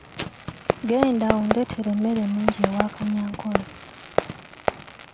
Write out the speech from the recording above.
Genda ondeetere emmere ennungi ewa Kanyankole.